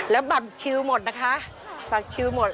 แล้วบัตรคิวหมดนะคะบัตรคิวหมด